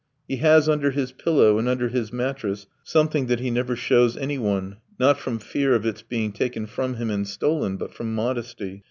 He has under his pillow and under his mattress something that he never shows anyone, not from fear of its being taken from him and stolen, but from modesty.